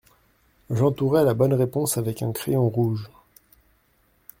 J’entourai la bonne réponse avec un crayon rouge.